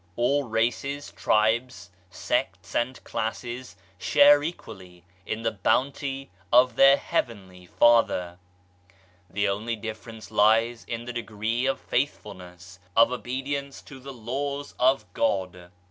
All races, tribes, sects and classes share equally in the Bounty of their Heavenly Father. The only difference lies in the degree of faithfulness, of obedience to the Laws of God.